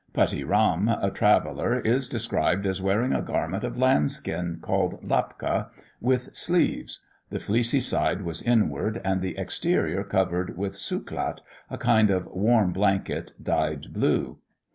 Putee Ram, a traveller, is described as wearing a garment of lambskin, called Lapka, with sleeves; the fleecy side was inward, and the exterior covered with sooklat, a kind of warm blanket, dyed blue.